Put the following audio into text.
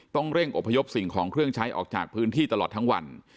ต้องเร่งอบพยพสิ่งของเครื่องใช้ออกจากพื้นที่ตลอดทั้งวัน